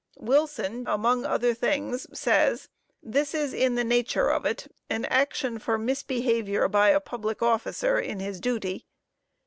Wilson, J., among other things, says: "This is in the nature of it, an action for misbehavior by a public officer in his duty.